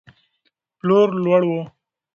پلور لوړ و.